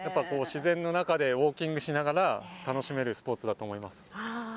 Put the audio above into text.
自然の中でウォーキングしながら楽しめるスポーツだと思います。